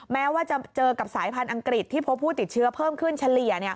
แม้ว่าจะเจอกับสายพันธุ์อังกฤษที่พบผู้ติดเชื้อเพิ่มขึ้นเฉลี่ย